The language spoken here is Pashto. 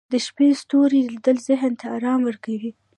د شپې ستوري لیدل ذهن ته ارامي ورکوي